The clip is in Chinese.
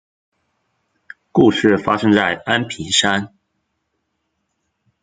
故事发生在安平山。